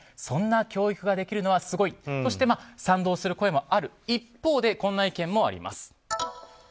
そんな教育ができるのはすごいとして賛同する声もある一方でこんな意見もあります。